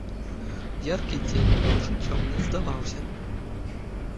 Яркі дзень ноччу цёмнай здаваўся.